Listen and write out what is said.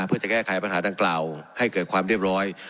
เพื่อจะแก้ไขปัญหาดังกล่าวให้เกิดความเรียบร้อย